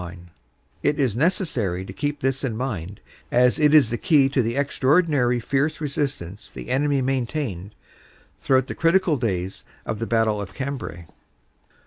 THE SITUATION ON THE WEST FRONT 5 It is necessary to keep this in mind, as it is the key to the extra ordinary fierce resistance the enemy maintained throughout the critical days of the Battle of Cambrai.